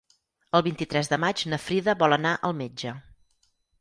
El vint-i-tres de maig na Frida vol anar al metge.